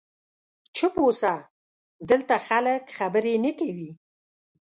چوپ اوسه، دلته خلک خبرې نه کوي.